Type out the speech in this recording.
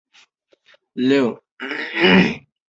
他是巴基斯坦片酬最高的男演员之一。